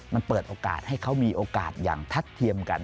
มันเปิดโอกาสให้เขามีโอกาสอย่างทัดเทียมกัน